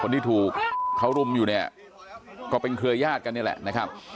ที่ถูกเขารุมอยู่เนี่ยก็เป็นเครือญาติกันนี่แหละนะครับ